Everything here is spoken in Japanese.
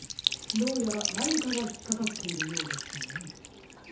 どうやらなにかがひっかかっているようですね。